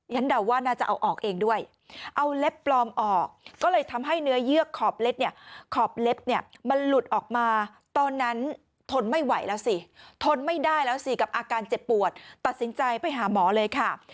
เดาว่าน่าจะเอาออกเองด้วยเอาเล็บปลอมออกก็เลยทำให้เนื้อเยือกขอบเล็บเนี่ยขอบเล็บเนี่ยมันหลุดออกมาตอนนั้นทนไม่ไหวแล้วสิทนไม่ได้แล้วสิกับอาการเจ็บปวดตัดสินใจไปหาหมอเลยค่ะ